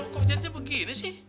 kok jadinya begini sih